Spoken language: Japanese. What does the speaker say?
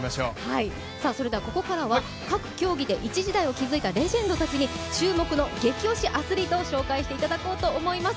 ここからは各競技で一時代を築いたレジェンドたちに注目の激推しアスリートを紹介していただこうと思います。